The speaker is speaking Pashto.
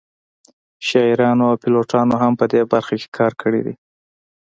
شاعرانو او پیلوټانو هم په دې برخه کې کار کړی دی